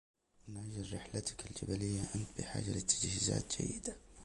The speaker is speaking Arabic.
من أجل رحلتك الجبلية أنت بحاجة لتجهيزات جيدة.